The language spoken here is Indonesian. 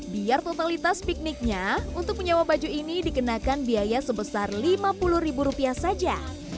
biar totalitas pikniknya untuk menyewa baju ini dikenakan biaya sebesar lima puluh ribu rupiah saja